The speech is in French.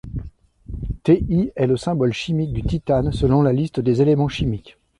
Ti est le symbole chimique du titane, selon la liste des éléments chimiques.